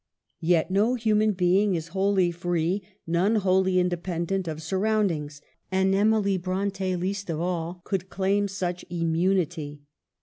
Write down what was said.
l Yet no human being is wholly free, none wholly independent, of surroundings. And Emily Bronte least of all could claim such im munity.